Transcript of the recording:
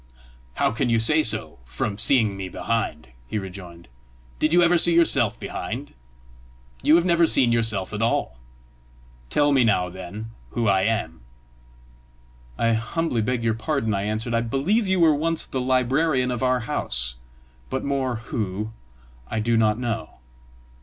"How can you say so from seeing me behind?" he rejoined. "Did you ever see yourself behind? You have never seen yourself at all! Tell me now, then, who I am." "I humbly beg your pardon," I answered: "I believe you were once the librarian of our house, but more WHO I do not know."